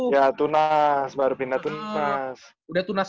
ya tunas baru pindah ke tunas